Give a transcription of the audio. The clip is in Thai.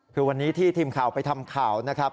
คือวันนี้ที่ทีมข่าวไปทำข่าวนะครับ